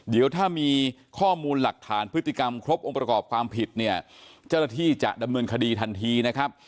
เดี๋ยวถ้ามีข้อมูลหลักฐานพฤติกรรมครบองค์ประกอบความผิดเนี่ยเจ้าหน้าที่จะดำเนินคดีทันทีนะครับ